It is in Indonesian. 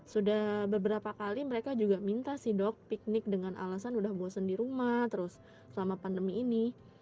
sudah beberapa kali mereka juga minta sih dok piknik dengan alasan sudah bosen di rumah terus selama pandemi ini